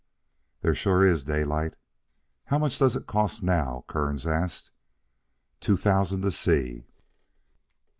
"There sure is, Daylight." "How much does it cost now?" Kearns asked. "Two thousand to see."